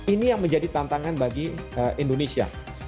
ini yang menjadi tantangan bagi indonesia